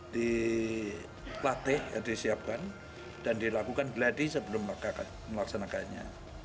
dilatih disiapkan dan dilakukan gladi sebelum melaksanakannya